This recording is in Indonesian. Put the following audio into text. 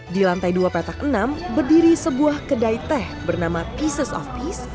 di lantai dua petak enam berdiri sebuah kedai teh bernama peas of peace